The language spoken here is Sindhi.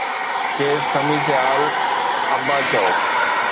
کيس خميس آل ابا چئو